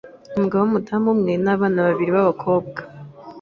umugabo w’umudamu umwe n’abana babiri b’abakobwa